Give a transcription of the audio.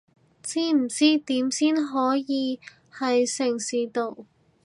知唔知點先可以係城市到搶到飛在線等？